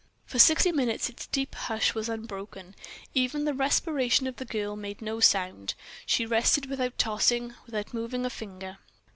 For sixty minutes its deep hush was unbroken; the even respiration of the girl made no sound, she rested without tossing, without moving a finger.